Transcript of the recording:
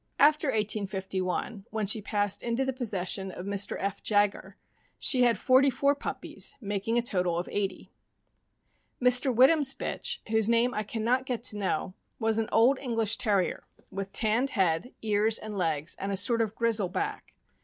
After 1851, when she passed into the possession of Mr. F. Jaggar, she had forty four puppies, making a total of eighty. Mr. Whittam's bitch, whose name I can not get to know, was an old Eng lish Terrier, with tanned head, ears, and legs, and a sort of grizzle back.